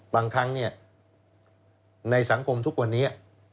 บางครั้งในสังคมทุกวันนี้